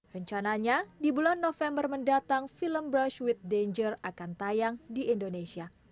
rencananya di bulan november mendatang film brush with danger akan tayang di indonesia